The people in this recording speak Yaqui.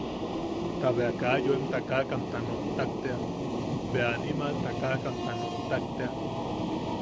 Ta bea kaa yoem takakamta nottak tea, bea animal takakamta nottak tea.